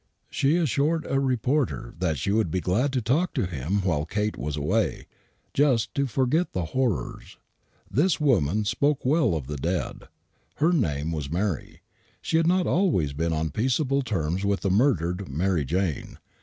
She assured a reporter that she would be glad to talk to him while Kate was away, just to forget the horrors. This woman spoke well of the dead. Her name was Mary, and she had not always been on peaceable terms with the murdered Mary Jane.